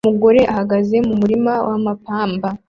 Umugore ahagaze mumurima wa mapamba